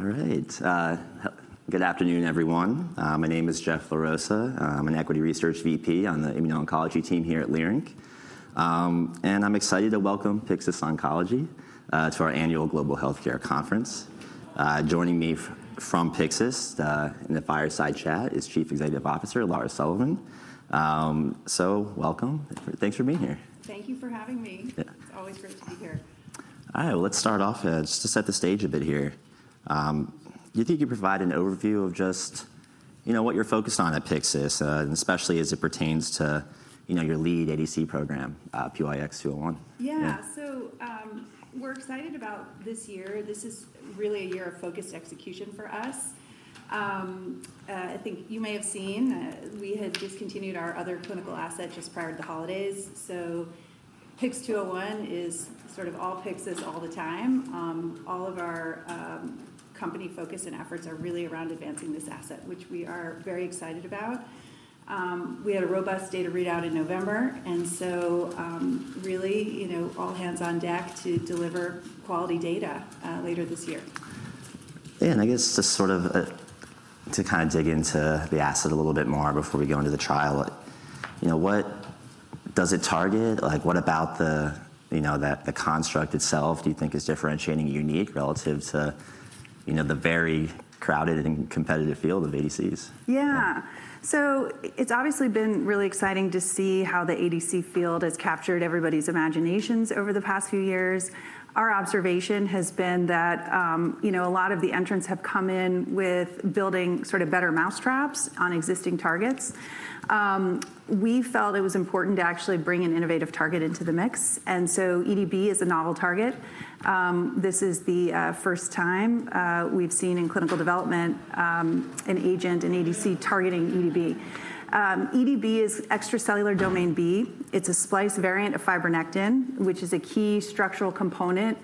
All right. Good afternoon, everyone. My name is Jeff LaRosa. I'm an equity research VP on the immuno-oncology team here at Leerink. I'm excited to welcome Pyxis Oncology to our annual Global Healthcare Conference. Joining me from Pyxis in the fireside chat is Chief Executive Officer Lara Sullivan. Welcome. Thanks for being here. Thank you for having me. It's always great to be here. All right. Let's start off just to set the stage a bit here. Do you think you could provide an overview of just what you're focused on at Pyxis, especially as it pertains to your lead ADC program, PYX-201? Yeah. We are excited about this year. This is really a year of focused execution for us. I think you may have seen we had discontinued our other clinical asset just prior to the holidays. PYX-201 is sort of all Pyxis all the time. All of our company focus and efforts are really around advancing this asset, which we are very excited about. We had a robust data readout in November. All hands on deck to deliver quality data later this year. I guess just sort of to kind of dig into the asset a little bit more before we go into the trial, what does it target? What about the construct itself do you think is differentiating and unique relative to the very crowded and competitive field of ADCs? Yeah. It's obviously been really exciting to see how the ADC field has captured everybody's imaginations over the past few years. Our observation has been that a lot of the entrants have come in with building sort of better mousetraps on existing targets. We felt it was important to actually bring an innovative target into the mix. EDB is a novel target. This is the first time we've seen in clinical development an agent, an ADC targeting EDB. EDB is extracellular domain B. It's a splice variant of fibronectin, which is a key structural component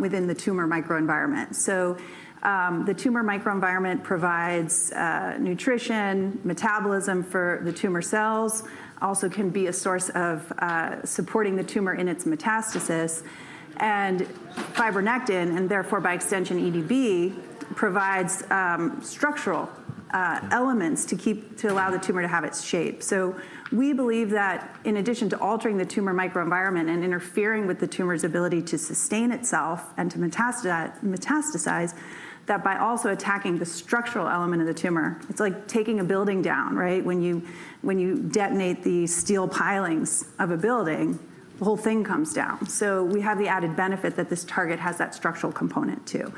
within the tumor microenvironment. The tumor microenvironment provides nutrition, metabolism for the tumor cells, also can be a source of supporting the tumor in its metastasis. Fibronectin, and therefore by extension EDB, provides structural elements to allow the tumor to have its shape. We believe that in addition to altering the tumor microenvironment and interfering with the tumor's ability to sustain itself and to metastasize, that by also attacking the structural element of the tumor, it's like taking a building down, right? When you detonate the steel pilings of a building, the whole thing comes down. We have the added benefit that this target has that structural component too.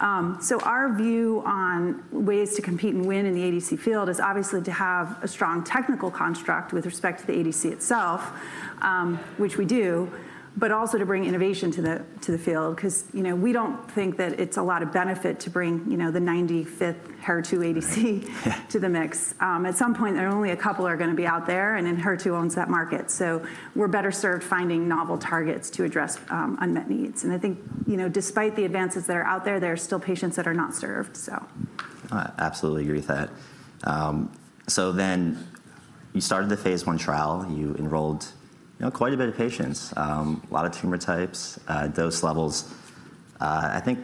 Our view on ways to compete and win in the ADC field is obviously to have a strong technical construct with respect to the ADC itself, which we do, but also to bring innovation to the field because we do not think that it's a lot of benefit to bring the 95th HER2 ADC to the mix. At some point, there are only a couple that are going to be out there. HER2 owns that market. We're better served finding novel targets to address unmet needs. I think despite the advances that are out there, there are still patients that are not served. Absolutely agree with that. You started the phase I trial. You enrolled quite a bit of patients, a lot of tumor types, dose levels. I think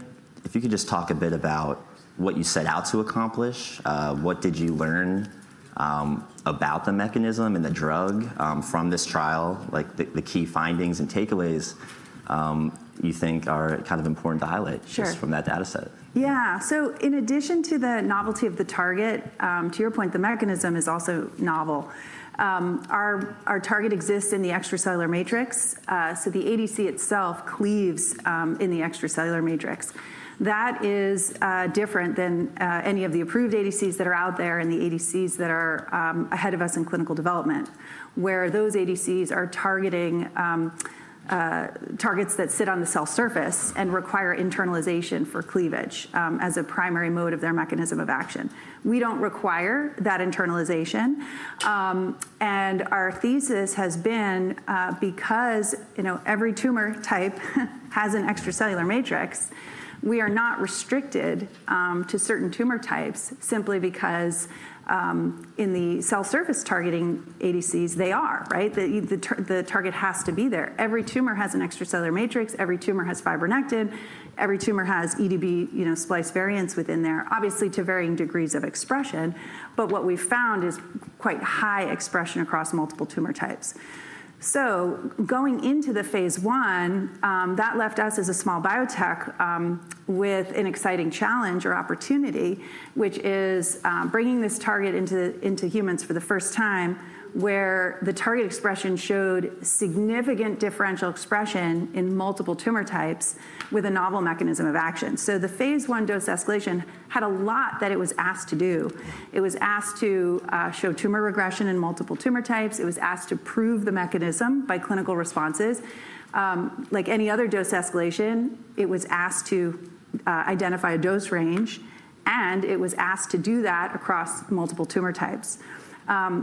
if you could just talk a bit about what you set out to accomplish, what did you learn about the mechanism and the drug from this trial, the key findings and takeaways you think are kind of important. Pilot just from that data set. Yeah. In addition to the novelty of the target, to your point, the mechanism is also novel. Our target exists in the extracellular matrix. The ADC itself cleaves in the extracellular matrix. That is different than any of the approved ADCs that are out there and the ADCs that are ahead of us in clinical development, where those ADCs are targets that sit on the cell surface and require internalization for cleavage as a primary mode of their mechanism of action. We do not require that internalization. Our thesis has been because every tumor type has an extracellular matrix, we are not restricted to certain tumor types simply because in the cell surface targeting ADCs, they are, right? The target has to be there. Every tumor has an extracellular matrix. Every tumor has fibronectin. Every tumor has EDB splice variants within there, obviously to varying degrees of expression. What we found is quite high expression across multiple tumor types. Going into the phase one, that left us as a small biotech with an exciting challenge or opportunity, which is bringing this target into humans for the first time, where the target expression showed significant differential expression in multiple tumor types with a novel mechanism of action. The phase one dose escalation had a lot that it was asked to do. It was asked to show tumor regression in multiple tumor types. It was asked to prove the mechanism by clinical responses. Like any other dose escalation, it was asked to identify a dose range. It was asked to do that across multiple tumor types.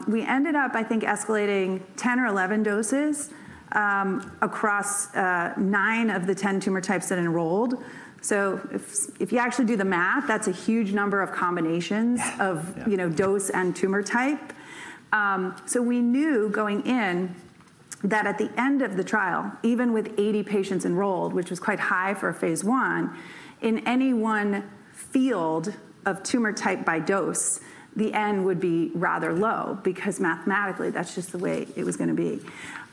We ended up, I think, escalating 10 or 11 doses across 9 of the 10 tumor types that enrolled. If you actually do the math, that's a huge number of combinations of dose and tumor type. We knew going in that at the end of the trial, even with 80 patients enrolled, which was quite high for a phase one, in any one field of tumor type by dose, the end would be rather low because mathematically that's just the way it was going to be.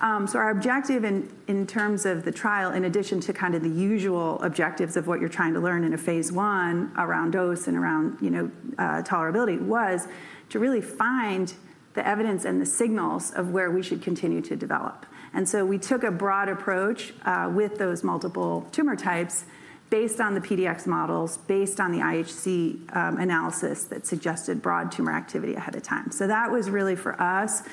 Our objective in terms of the trial, in addition to kind of the usual objectives of what you're trying to learn in a phase one around dose and around tolerability, was to really find the evidence and the signals of where we should continue to develop. We took a broad approach with those multiple tumor types based on the PDX models, based on the IHC analysis that suggested broad tumor activity ahead of time. That was really for us,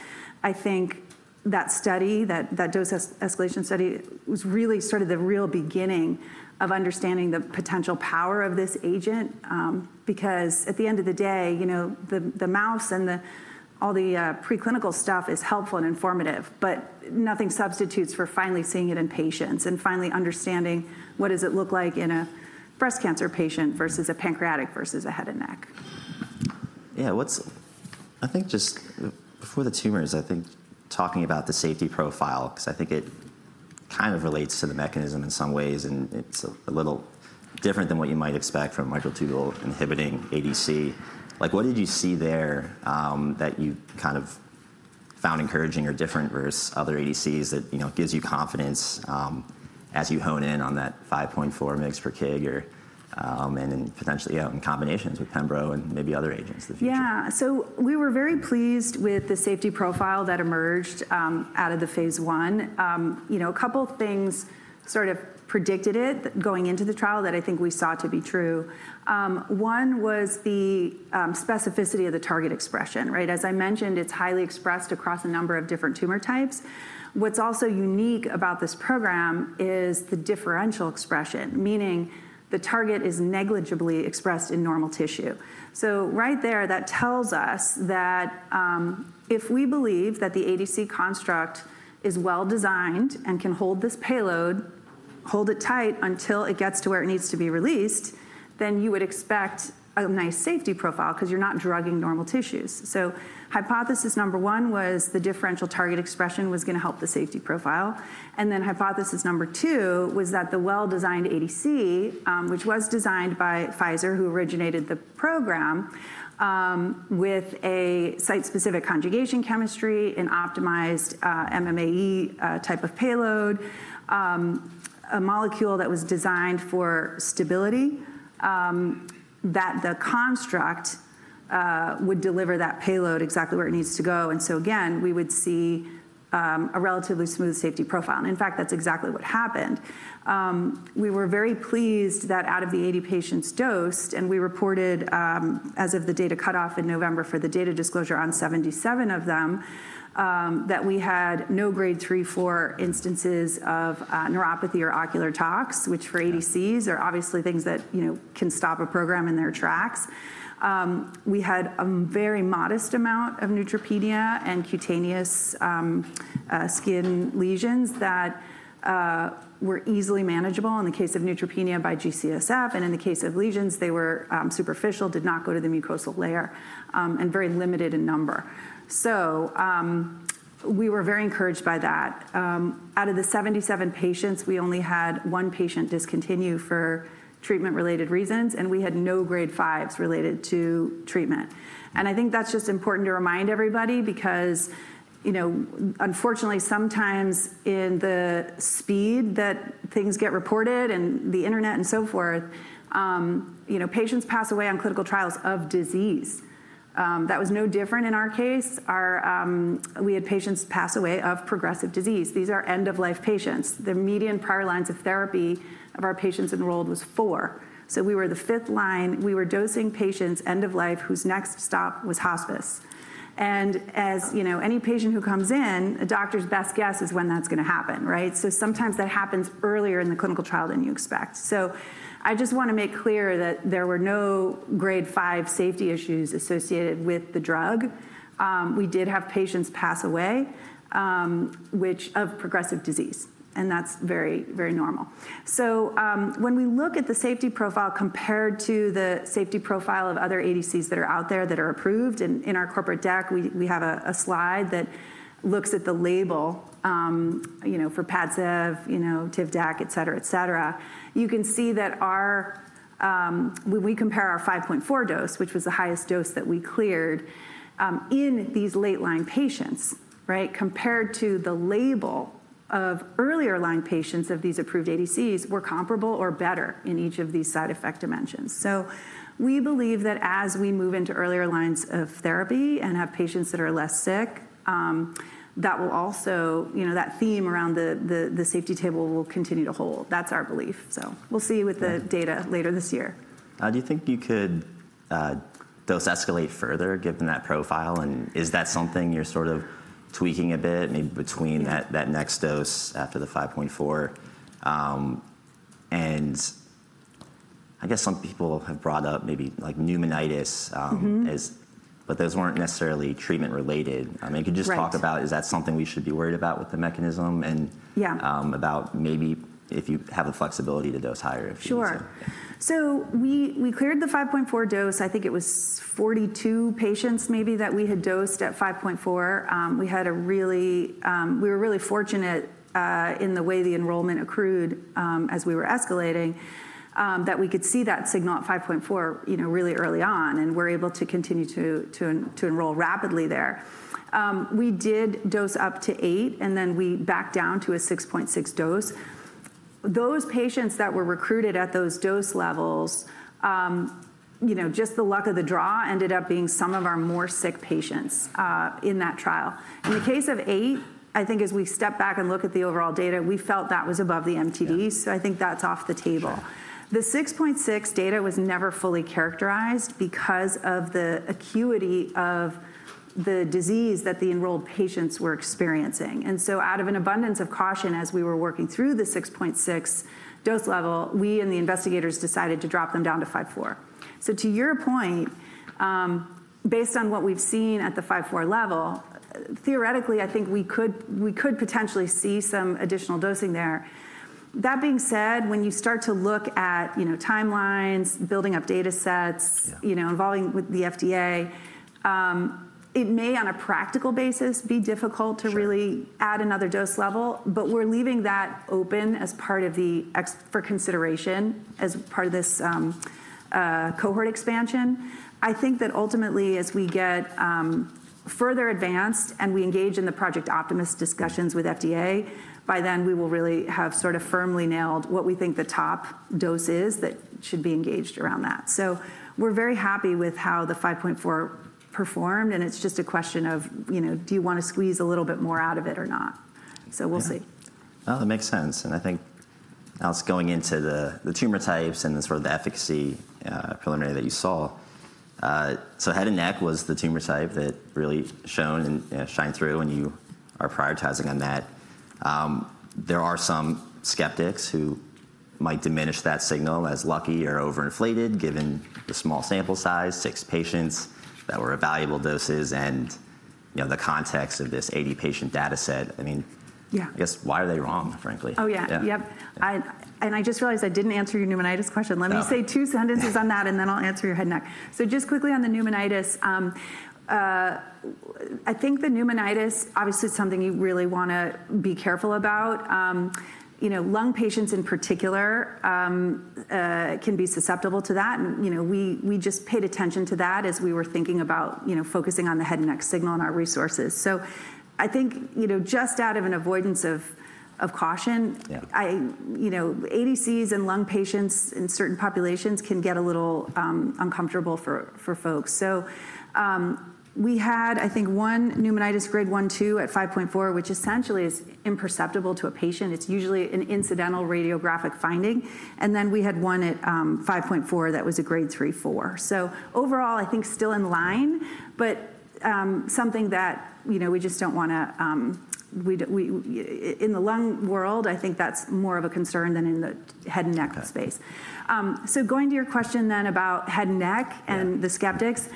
I think that study, that dose escalation study, was really sort of the real beginning of understanding the potential power of this agent because at the end of the day, the mouse and all the preclinical stuff is helpful and informative. Nothing substitutes for finally seeing it in patients and finally understanding what does it look like in a breast cancer patient versus a pancreatic versus a head and neck. Yeah. I think just before the tumors, I think talking about the safety profile because I think it kind of relates to the mechanism in some ways. It's a little different than what you might expect from microtubule inhibiting ADC. What did you see there that you kind of found encouraging or different versus other ADCs that gives you confidence as you hone in on that 5.4 mg/kg or potentially in combinations with Pembro and maybe other agents in the future? Yeah. We were very pleased with the safety profile that emerged out of the phase one. A couple of things sort of predicted it going into the trial that I think we saw to be true. One was the specificity of the target expression, right? As I mentioned, it's highly expressed across a number of different tumor types. What's also unique about this program is the differential expression, meaning the target is negligibly expressed in normal tissue. Right there, that tells us that if we believe that the ADC construct is well designed and can hold this payload, hold it tight until it gets to where it needs to be released, then you would expect a nice safety profile because you're not drugging normal tissues. Hypothesis number one was the differential target expression was going to help the safety profile. Hypothesis number two was that the well-designed ADC, which was designed by Pfizer, who originated the program, with a site-specific conjugation chemistry, an optimized MMAE type of payload, a molecule that was designed for stability, that the construct would deliver that payload exactly where it needs to go. Again, we would see a relatively smooth safety profile. In fact, that's exactly what happened. We were very pleased that out of the 80 patients dosed, and we reported as of the data cutoff in November for the data disclosure on 77 of them, that we had no grade 3, 4 instances of neuropathy or ocular tox, which for ADCs are obviously things that can stop a program in their tracks. We had a very modest amount of neutropenia and cutaneous skin lesions that were easily manageable in the case of neutropenia by G-CSF. In the case of lesions, they were superficial, did not go to the mucosal layer, and very limited in number. We were very encouraged by that. Out of the 77 patients, we only had one patient discontinue for treatment-related reasons. We had no grade 5s related to treatment. I think that's just important to remind everybody because unfortunately, sometimes in the speed that things get reported and the internet and so forth, patients pass away on clinical trials of disease. That was no different in our case. We had patients pass away of progressive disease. These are end-of-life patients. The median prior lines of therapy of our patients enrolled was 4. We were the fifth line. We were dosing patients end of life whose next stop was hospice. As any patient who comes in, a doctor's best guess is when that's going to happen, right? Sometimes that happens earlier in the clinical trial than you expect. I just want to make clear that there were no grade 5 safety issues associated with the drug. We did have patients pass away of progressive disease. That's very, very normal. When we look at the safety profile compared to the safety profile of other ADCs that are out there that are approved, in our corporate deck, we have a slide that looks at the label for Padcev, Tivdak, et cetera, et cetera. You can see that when we compare our 5.4 dose, which was the highest dose that we cleared, in these late-line patients, right, compared to the label of earlier line patients of these approved ADCs, we're comparable or better in each of these side effect dimensions. We believe that as we move into earlier lines of therapy and have patients that are less sick, that theme around the safety table will continue to hold. That's our belief. We'll see with the data later this year. Do you think you could dose escalate further given that profile? Is that something you're sort of tweaking a bit maybe between that next dose after the 5.4? I guess some people have brought up maybe like pneumonitis, but those weren't necessarily treatment-related. I mean, could you just talk about is that something we should be worried about with the mechanism and about maybe if you have the flexibility to dose higher if you need to? Sure. We cleared the 5.4 dose. I think it was 42 patients maybe that we had dosed at 5.4. We were really fortunate in the way the enrollment accrued as we were escalating that we could see that signal at 5.4 really early on and were able to continue to enroll rapidly there. We did dose up to 8, and then we backed down to a 6.6 dose. Those patients that were recruited at those dose levels, just the luck of the draw ended up being some of our more sick patients in that trial. In the case of 8, I think as we stepped back and looked at the overall data, we felt that was above the MTD. I think that's off the table. The 6.6 data was never fully characterized because of the acuity of the disease that the enrolled patients were experiencing. Out of an abundance of caution as we were working through the 6.6 dose level, we and the investigators decided to drop them down to 5.4. To your point, based on what we've seen at the 5.4 level, theoretically, I think we could potentially see some additional dosing there. That being said, when you start to look at timelines, building up data sets, involving with the FDA, it may on a practical basis be difficult to really add another dose level. We're leaving that open for consideration as part of this cohort expansion. I think that ultimately, as we get further advanced and we engage in the Project Optimus discussions with FDA, by then we will really have sort of firmly nailed what we think the top dose is that should be engaged around that. We're very happy with how the 5.4 performed. It's just a question of do you want to squeeze a little bit more out of it or not? We'll see. That makes sense. I think now it's going into the tumor types and sort of the efficacy preliminary that you saw. Head and neck was the tumor type that really shone and shined through. You are prioritizing on that. There are some skeptics who might diminish that signal as lucky or overinflated given the small sample size, six patients that were at valuable doses, and the context of this 80-patient data set. I mean, I guess why are they wrong, frankly? Oh, yeah. Yep. I just realized I didn't answer your pneumonitis question. Let me say two sentences on that, and then I'll answer your head and neck. Just quickly on the pneumonitis, I think the pneumonitis obviously is something you really want to be careful about. Lung patients in particular can be susceptible to that. We just paid attention to that as we were thinking about focusing on the head and neck signal and our resources. I think just out of an avoidance of caution, ADCs and lung patients in certain populations can get a little uncomfortable for folks. We had, I think, one pneumonitis grade 1, 2 at 5.4, which essentially is imperceptible to a patient. It's usually an incidental radiographic finding. We had one at 5.4 that was a grade 3, 4. Overall, I think still in line, but something that we just don't want to in the lung world, I think that's more of a concern than in the head and neck space. Going to your question then about head and neck and the skeptics,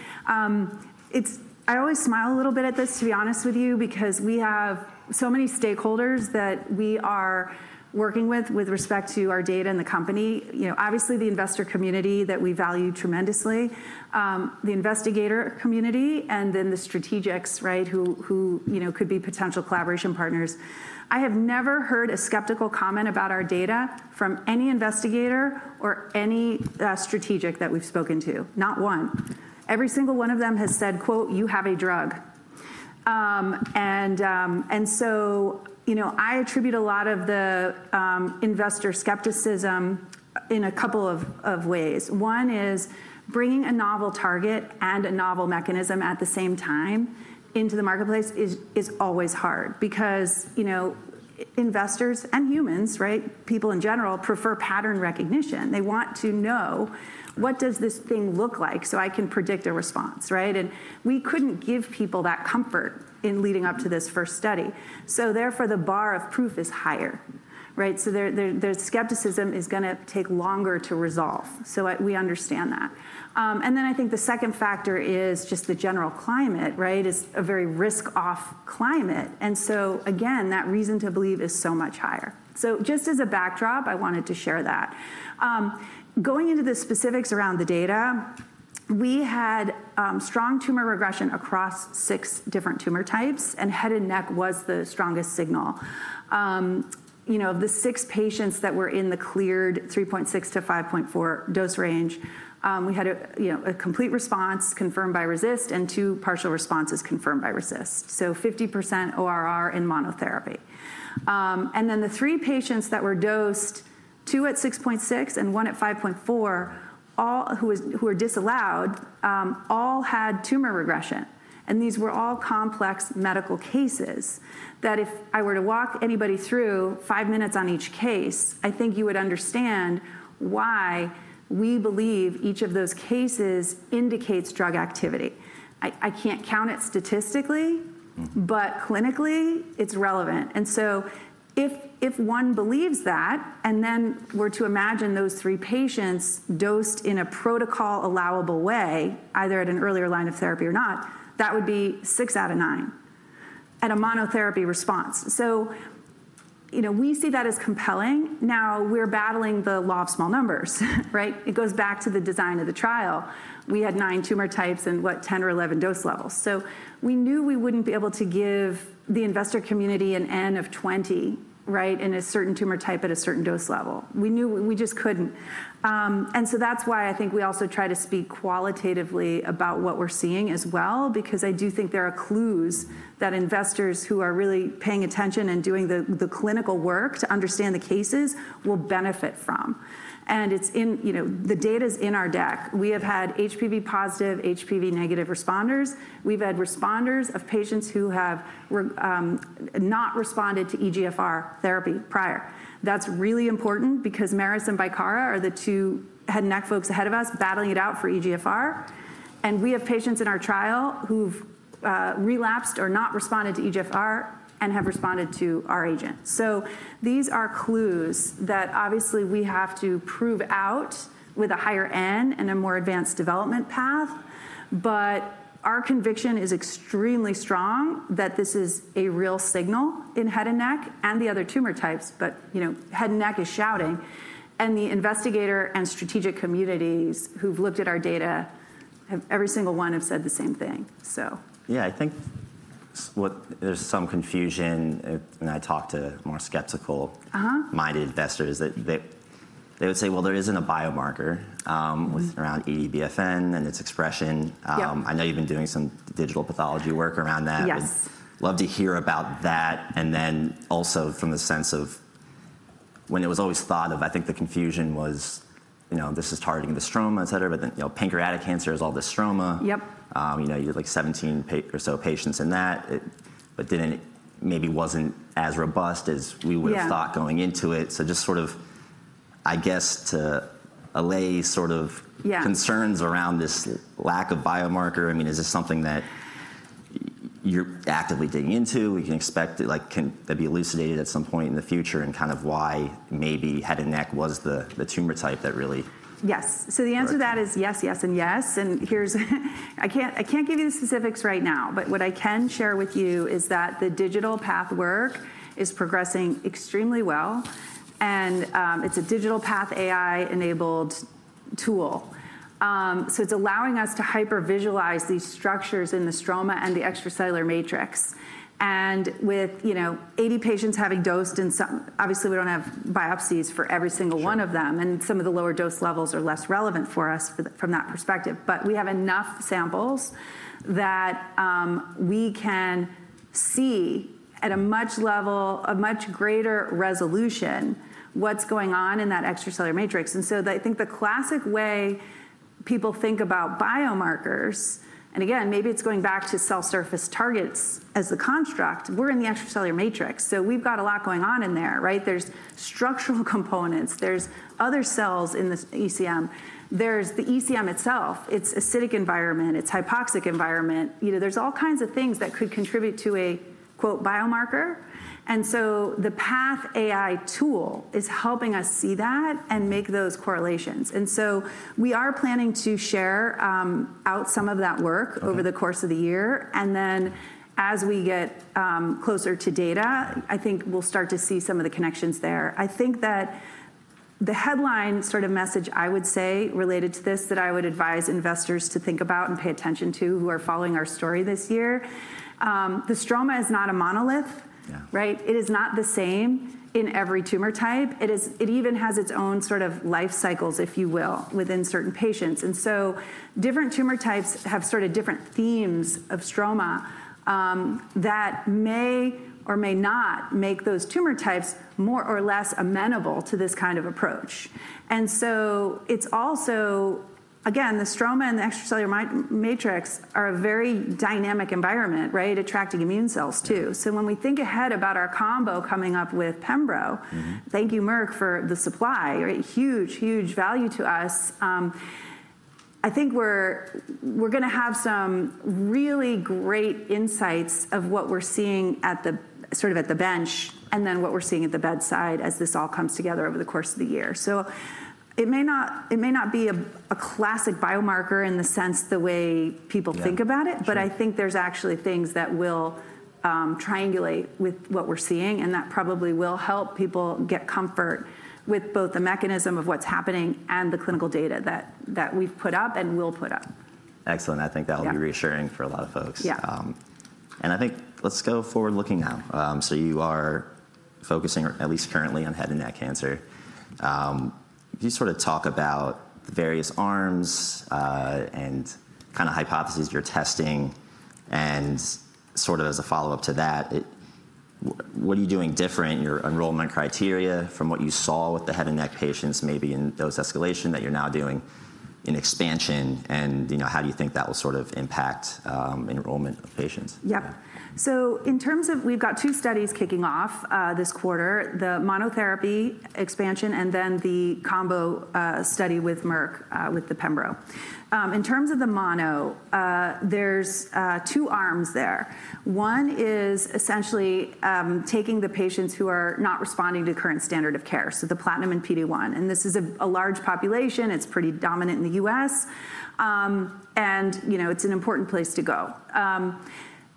I always smile a little bit at this, to be honest with you, because we have so many stakeholders that we are working with with respect to our data and the company. Obviously, the investor community that we value tremendously, the investigator community, and then the strategics, right, who could be potential collaboration partners. I have never heard a skeptical comment about our data from any investigator or any strategic that we've spoken to, not one. Every single one of them has said, quote, "You have a drug." I attribute a lot of the investor skepticism in a couple of ways. One is bringing a novel target and a novel mechanism at the same time into the marketplace is always hard because investors and humans, right, people in general, prefer pattern recognition. They want to know what does this thing look like so I can predict a response, right? We could not give people that comfort in leading up to this first study. Therefore, the bar of proof is higher, right? The skepticism is going to take longer to resolve. We understand that. I think the second factor is just the general climate, right, is a very risk-off climate. Again, that reason to believe is so much higher. Just as a backdrop, I wanted to share that. Going into the specifics around the data, we had strong tumor regression across six different tumor types. Head and neck was the strongest signal. Of the six patients that were in the cleared 3.6-5.4 dose range, we had a complete response confirmed by RECIST and two partial responses confirmed by RECIST. 50% ORR in monotherapy. The three patients that were dosed, two at 6.6 and one at 5.4, all who were disallowed, all had tumor regression. These were all complex medical cases that if I were to walk anybody through five minutes on each case, I think you would understand why we believe each of those cases indicates drug activity. I can't count it statistically, but clinically, it's relevant. If one believes that and were to imagine those three patients dosed in a protocol allowable way, either at an earlier line of therapy or not, that would be 6 out of 9 at a monotherapy response. We see that as compelling. Now we're battling the law of small numbers, right? It goes back to the design of the trial. We had nine tumor types and what, 10 or 11 dose levels? We knew we wouldn't be able to give the investor community an N of 20, right, in a certain tumor type at a certain dose level. We knew we just couldn't. That is why I think we also try to speak qualitatively about what we're seeing as well because I do think there are clues that investors who are really paying attention and doing the clinical work to understand the cases will benefit from. The data is in our deck. We have had HPV positive, HPV negative responders. We've had responders of patients who have not responded to EGFR therapy prior. That's really important because Merus and Bicara are the two head and neck folks ahead of us battling it out for EGFR. We have patients in our trial who've relapsed or not responded to EGFR and have responded to our agent. These are clues that obviously we have to prove out with a higher N and a more advanced development path. Our conviction is extremely strong that this is a real signal in head and neck and the other tumor types. Head and neck is shouting. The investigator and strategic communities who've looked at our data, every single one have said the same thing. Yeah, I think there's some confusion when I talk to more skeptical-minded investors. They would say, well, there isn't a biomarker with around EDB FN and its expression. I know you've been doing some digital pathology work around that. I'd love to hear about that. Also, from the sense of when it was always thought of, I think the confusion was this is targeting the stroma, et cetera. Then pancreatic cancer is all the stroma. You had like 17 or so patients in that, but maybe wasn't as robust as we would have thought going into it. Just sort of, I guess, to allay sort of concerns around this lack of biomarker, I mean, is this something that you're actively digging into? We can expect that be elucidated at some point in the future and kind of why maybe head and neck was the tumor type that really. Yes. The answer to that is yes, yes, and yes. I can't give you the specifics right now. What I can share with you is that the digital path work is progressing extremely well. It's a digital PathAI-enabled tool. It's allowing us to hypervisualize these structures in the stroma and the extracellular matrix. With 80 patients having dosed in some, obviously, we don't have biopsies for every single one of them. Some of the lower dose levels are less relevant for us from that perspective. We have enough samples that we can see at a much level, a much greater resolution what's going on in that extracellular matrix. I think the classic way people think about biomarkers, and again, maybe it's going back to cell surface targets as the construct, we're in the extracellular matrix. We have got a lot going on in there, right? There are structural components. There are other cells in the ECM. There is the ECM itself. It is an acidic environment. It is a hypoxic environment. There are all kinds of things that could contribute to a, quote, "biomarker." The PathAI tool is helping us see that and make those correlations. We are planning to share out some of that work over the course of the year. As we get closer to data, I think we will start to see some of the connections there. I think that the headline sort of message I would say related to this that I would advise investors to think about and pay attention to who are following our story this year, the stroma is not a monolith, right? It is not the same in every tumor type. It even has its own sort of life cycles, if you will, within certain patients. Different tumor types have sort of different themes of stroma that may or may not make those tumor types more or less amenable to this kind of approach. It is also, again, the stroma and the extracellular matrix are a very dynamic environment, right, attracting immune cells too. When we think ahead about our combo coming up with Pembro, thank you, Merck, for the supply, right, huge, huge value to us. I think we're going to have some really great insights of what we're seeing sort of at the bench and then what we're seeing at the bedside as this all comes together over the course of the year. It may not be a classic biomarker in the sense the way people think about it. I think there's actually things that will triangulate with what we're seeing. That probably will help people get comfort with both the mechanism of what's happening and the clinical data that we've put up and will put up. Excellent. I think that will be reassuring for a lot of folks. I think let's go forward looking now. You are focusing, at least currently, on head and neck cancer. Can you sort of talk about the various arms and kind of hypotheses you're testing? As a follow-up to that, what are you doing different in your enrollment criteria from what you saw with the head and neck patients maybe in dose escalation that you're now doing in expansion? How do you think that will sort of impact enrollment of patients? Yep. In terms of we've got two studies kicking off this quarter, the monotherapy expansion and then the combo study with Merck with the Pembro. In terms of the mono, there's two arms there. One is essentially taking the patients who are not responding to current standard of care, so the platinum and PD-1. This is a large population. It's pretty dominant in the U.S. It's an important place to go.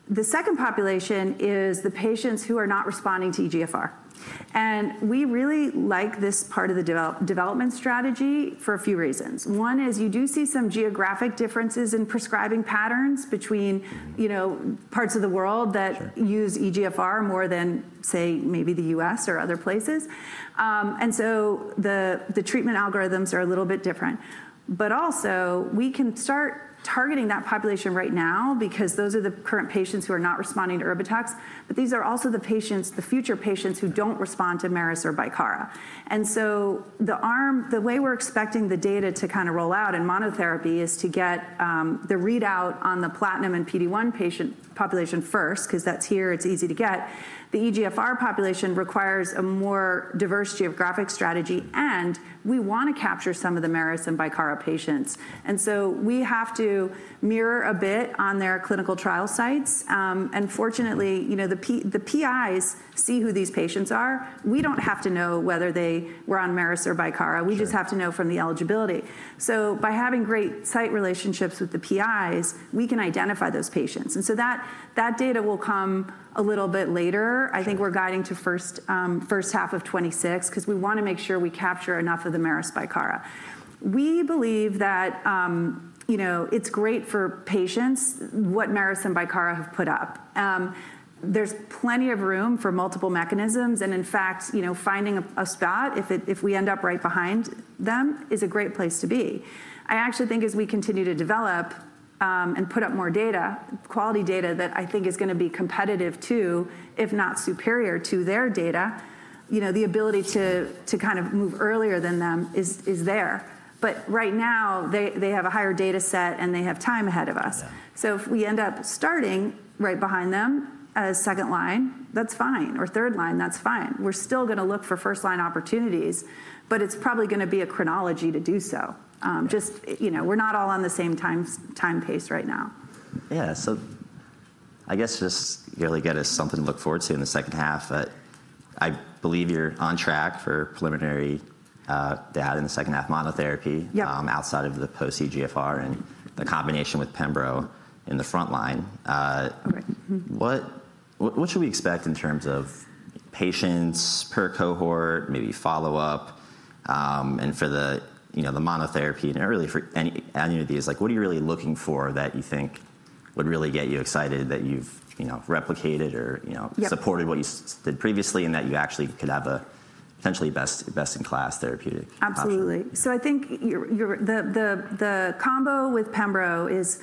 The second population is the patients who are not responding to EGFR. We really like this part of the development strategy for a few reasons. One is you do see some geographic differences in prescribing patterns between parts of the world that use EGFR more than, say, maybe the U.S. or other places. The treatment algorithms are a little bit different. Also, we can start targeting that population right now because those are the current patients who are not responding to Erbitux. These are also the patients, the future patients who do not respond to Merus or Bicara. The way we are expecting the data to kind of roll out in monotherapy is to get the readout on the platinum and PD-1 patient population first because that is here. It is easy to get. The EGFR population requires a more diverse geographic strategy. We want to capture some of the Merus and Bicara patients. We have to mirror a bit on their clinical trial sites. Fortunately, the PIs see who these patients are. We do not have to know whether they were on Merus or Bicara. We just have to know from the eligibility. By having great site relationships with the PIs, we can identify those patients. That data will come a little bit later. I think we're guiding to first half of 2026 because we want to make sure we capture enough of the Merus/Bicara. We believe that it's great for patients what Merus/Bicara have put up. There's plenty of room for multiple mechanisms. In fact, finding a spot if we end up right behind them is a great place to be. I actually think as we continue to develop and put up more data, quality data that I think is going to be competitive to, if not superior to their data, the ability to kind of move earlier than them is there. Right now, they have a higher data set, and they have time ahead of us. If we end up starting right behind them as second line, that's fine. Or third line, that's fine. We're still going to look for first-line opportunities. It is probably going to be a chronology to do so. Just we're not all on the same time pace right now. Yeah. I guess just really get us something to look forward to in the second half. I believe you're on track for preliminary data in the second half monotherapy outside of the post-EGFR and the combination with Pembro in the front line. What should we expect in terms of patients per cohort, maybe follow-up, and for the monotherapy and early for any of these? What are you really looking for that you think would really get you excited that you've replicated or supported what you did previously and that you actually could have a potentially best-in-class therapeutic? Absolutely. I think the combo with Pembro is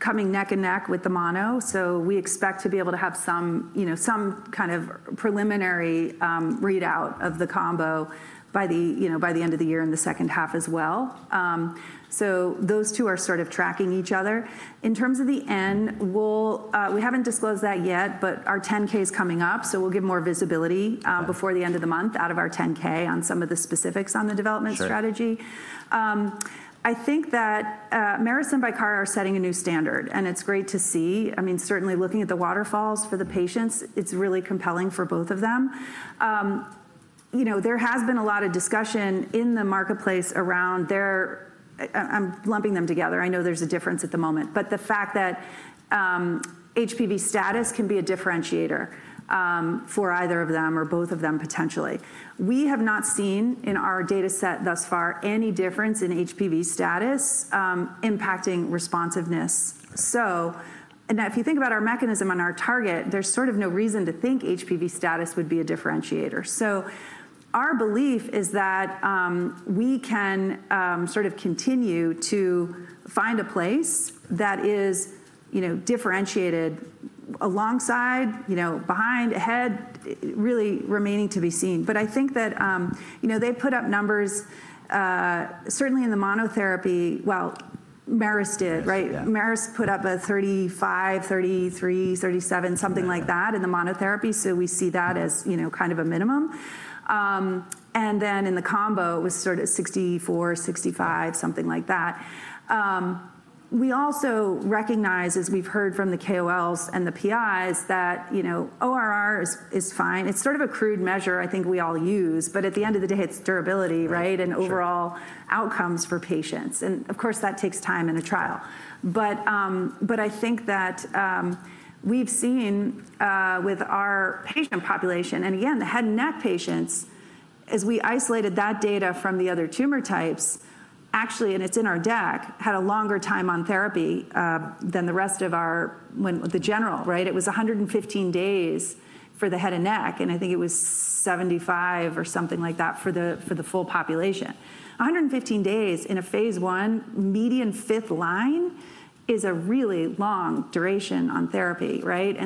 coming neck and neck with the mono. We expect to be able to have some kind of preliminary readout of the combo by the end of the year in the second half as well. Those two are sort of tracking each other. In terms of the N, we haven't disclosed that yet. Our 10-K is coming up. We'll give more visibility before the end of the month out of our 10-K on some of the specifics on the development strategy. I think that Merus and Bicara are setting a new standard. It's great to see. I mean, certainly looking at the waterfalls for the patients, it's really compelling for both of them. There has been a lot of discussion in the marketplace around their, I'm lumping them together. I know there's a difference at the moment. The fact that HPV status can be a differentiator for either of them or both of them potentially. We have not seen in our data set thus far any difference in HPV status impacting responsiveness. If you think about our mechanism on our target, there is sort of no reason to think HPV status would be a differentiator. Our belief is that we can sort of continue to find a place that is differentiated alongside, behind, ahead, really remaining to be seen. I think that they put up numbers, certainly in the monotherapy, Merus did, right? Merus put up a 35, 33, 37, something like that in the monotherapy. We see that as kind of a minimum. In the combo, it was sort of 64, 65, something like that. We also recognize, as we've heard from the KOLs and the PIs, that ORR is fine. It's sort of a crude measure I think we all use. At the end of the day, it's durability, right, and overall outcomes for patients. Of course, that takes time in a trial. I think that we've seen with our patient population, and again, the head and neck patients, as we isolated that data from the other tumor types, actually, and it's in our deck, had a longer time on therapy than the rest of our, when the general, right? It was 115 days for the head and neck. I think it was 75 or something like that for the full population. 115 days in a phase one median fifth line is a really long duration on therapy, right?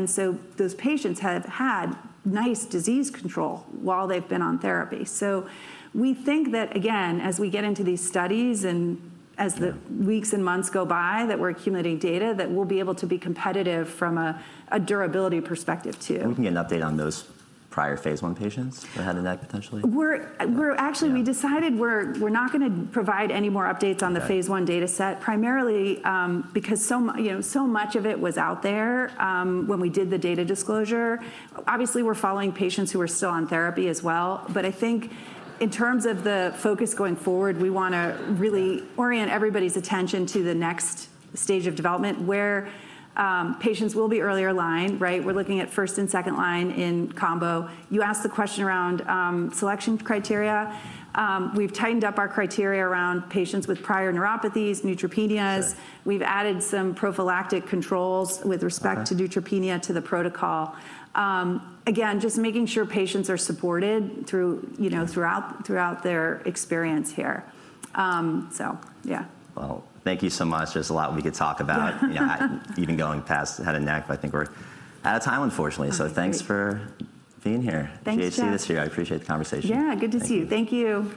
Those patients have had nice disease control while they've been on therapy. We think that, again, as we get into these studies and as the weeks and months go by that we're accumulating data, that we'll be able to be competitive from a durability perspective too. We can get an update on those prior phase I patients for head and neck potentially? We actually decided we're not going to provide any more updates on the phase one data set primarily because so much of it was out there when we did the data disclosure. Obviously, we're following patients who are still on therapy as well. I think in terms of the focus going forward, we want to really orient everybody's attention to the next stage of development where patients will be earlier line, right? We're looking at first and second line in combo. You asked the question around selection criteria. We've tightened up our criteria around patients with prior neuropathies, neutropenias. We've added some prophylactic controls with respect to neutropenia to the protocol. Again, just making sure patients are supported throughout their experience here. Yeah. Thank you so much. There's a lot we could talk about. Even going past head and neck, but I think we're out of time, unfortunately. Thanks for being here. Thank you. It's good to see you this year. I appreciate the conversation. Yeah. Good to see you. Thank you.